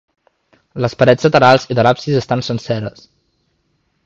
Les parets laterals i de l'absis estan senceres.